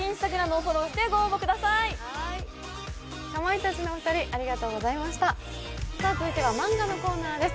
さあ続いてはマンガのコーナーです。